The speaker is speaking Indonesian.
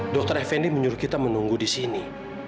dr effendi menyuruh kita menunggu di sini